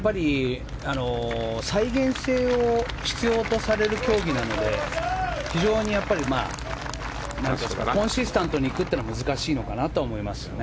再現性を必要とされる競技なので非常にコンシスタントにいくというのは難しいのかなと思いますよね。